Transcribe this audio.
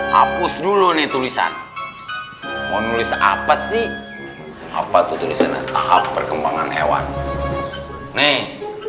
hapus dulu nih tulisan mau nulis apa sih apa tuh tulisannya tahap perkembangan hewan nih